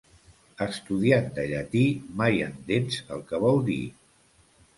Estudiant de llatí, mai entens el que vol dir.